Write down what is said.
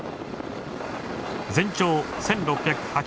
全長１，６８６ｍ。